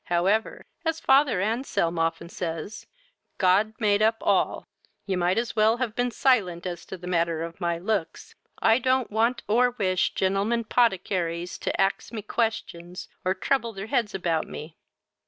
However, as father Anselm often says, God made up all. You might as well have been silent as to the matter of my looks. I don't want or wish gentlemen 'poticarys to ax me questions, or trouble their heads about me."